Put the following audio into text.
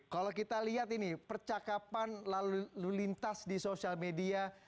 kalau kita lihat ini percakapan lalu lintas di sosial media